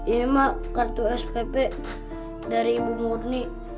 ini mak kartu spp dari ibu murni